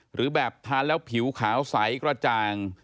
หรือแบบทานแล้วผิวขาวใสกระจ่าง